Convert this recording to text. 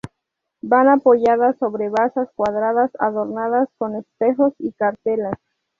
Van apoyadas sobre basas cuadradas adornadas con espejos y cartelas.